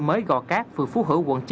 mới go cát phương phú hữu quận chín